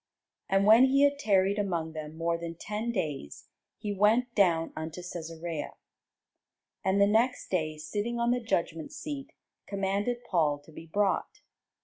And when he had tarried among them more than ten days, he went down unto Cæsarea; and the next day sitting on the judgment seat commanded Paul to be brought.